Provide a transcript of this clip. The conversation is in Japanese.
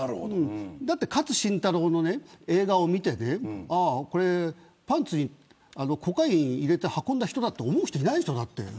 だって、勝新太郎の映画を見てパンツにコカイン入れて運んだ人だと思う人いないでしょ。